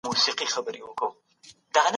څوارلس تر ديارلسو ډېر دي.